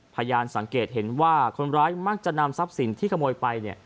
พยานสังเกตเห็นว่าคนร้ายมักจะนำทรัพย์สินที่ขโมยไป